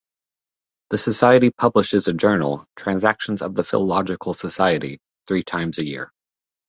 The society publishes a journal, "Transactions of the Philological Society", three times a year.